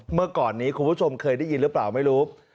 เมื่อก่อนนี้คุณผู้ชมเคยได้ยินหรือเปล่าไม่รู้